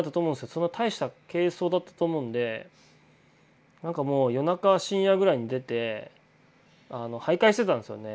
そんな大した軽装だったと思うんでなんかもう夜中深夜ぐらいに出て徘徊してたんですよね。